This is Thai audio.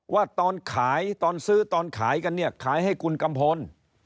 ว่าตอนขายตอนซื้อตอนขายกันเนี่ยขายให้คุณกัมพล